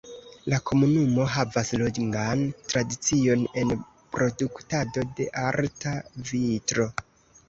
La komunumo havas longan tradicion en produktado de arta vitro.